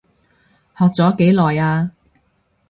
學咗幾耐啊？